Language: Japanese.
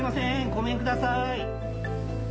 ごめんください。